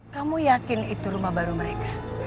kamu yakin itu rumah baru mereka